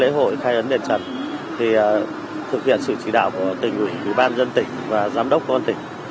để đảm bảo trật tự an toàn giao thông cho lễ hội khai ấn đền trần thực hiện sự chỉ đạo của tỉnh quỷ ban dân tỉnh và giám đốc con tỉnh